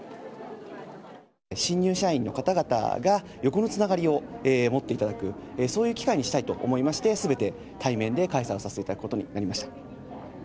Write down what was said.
新入社員の方々が横のつながりを持っていただく、そういう機会にしたいと思いまして、すべて対面で開催させていただくことになりました。